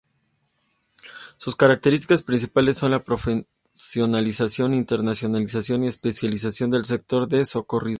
Sus características principales son la profesionalización, internacionalización y especialización del sector del socorrismo.